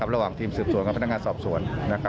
ระหว่างทีมสืบสวนกับพนักงานสอบสวน